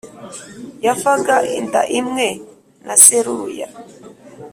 yavaga inda imwe na Seruya